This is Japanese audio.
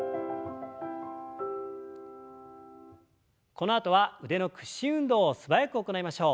このあとは腕の屈伸運動を素早く行いましょう。